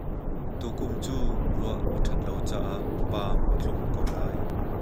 Tukum cu ruah a ṭhat lo caah pam a tlung ko lai.